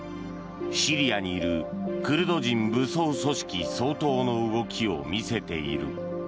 シリアにいるクルド人武装組織掃討の動きを見せている。